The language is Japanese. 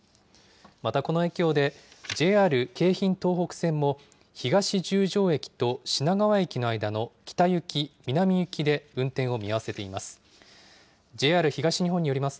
またこの影響で、ＪＲ京浜東北線も、東十条駅と品川駅の間の北行き南行きで運転を見合わせています。